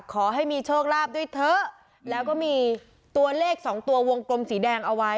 ขอให้มีโชคลาภด้วยเถอะแล้วก็มีตัวเลขสองตัววงกลมสีแดงเอาไว้